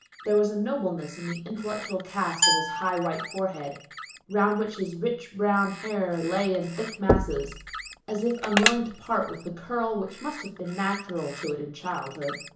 There was a nobleness in the intellectual cast of his high, white forehead, round which his rich brown hair lay in thick masses, as if unwilling to part with the curl which must have been natural to it in childhood.